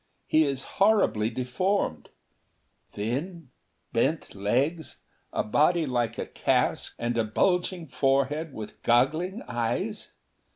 He is horribly deformed. Thin, bent legs, a body like a cask and a bulging forehead with goggling eyes.